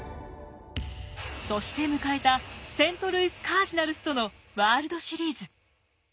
そして迎えたセントルイス・カージナルスとのワールドシリーズ。